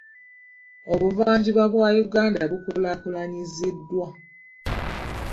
Obuvanjuba bwa Uganda bukulaakulanyiziddwa.